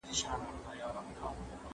که انلاین تدریس وي نو هیله نه ختمیږي.